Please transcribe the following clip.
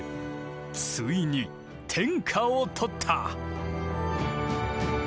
ついに天下をとった。